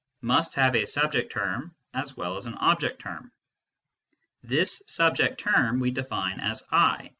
must have a subject term as well as an object term. This subject term we define as " I."